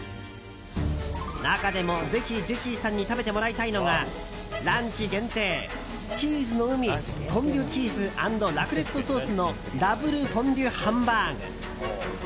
中でも、ぜひジェシーさんに食べてもらいたいのがランチ限定チーズの海！フォンデュチーズ＆ラクレットソースのＷフォンデュハンバーグ。